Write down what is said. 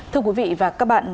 thưa quý vị và các bạn